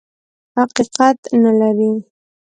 حقیقت نه لري.